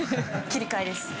切り替えです。